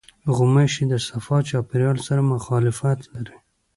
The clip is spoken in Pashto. غوماشې د صفا چاپېریال سره مخالفت لري.